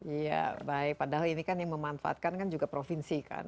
iya baik padahal ini kan yang memanfaatkan kan juga provinsi kan